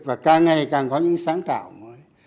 và càng ngày càng có những sáng tạo mới